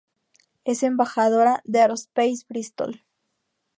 Es embajadora de Aerospace Bristol.